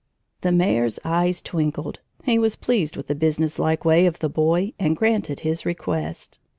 The mayor's eyes twinkled. He was pleased with the business like way of the boy and granted his request.